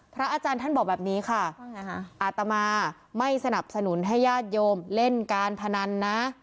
พระอาจารย์ท่านบอกแบบนี้ค่ะอาตมาไม่สนับสนุนให้ญาติโยมเล่นการพนันนะ